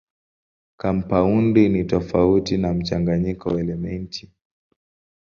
Kampaundi ni tofauti na mchanganyiko wa elementi.